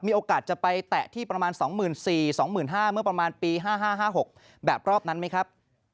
โอกาสจะไปแตะที่ประมาณ๒๔๐๐๒๕๐๐เมื่อประมาณปี๕๕๖แบบรอบนั้นไหมครับ